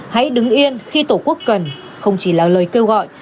hãy đứng yên khi tổ quốc cần không chỉ là lời kêu gọi